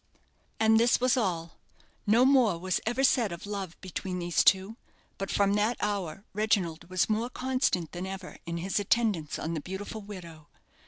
And this was all. No more was ever said of love between these two; but from that hour Reginald was more constant than ever in his attendance on the beautiful widow.